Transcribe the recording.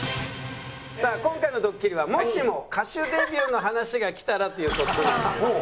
さあ今回のドッキリはもしも歌手デビューの話が来たらという事なんですが。